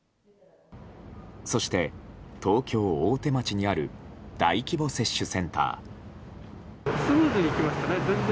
そして、東京・大手町にある大規模接種センター。